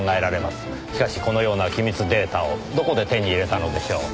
しかしこのような機密データをどこで手に入れたのでしょう？